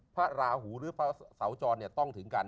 พระราหูหรือพระเสาจรต้องถึงกัน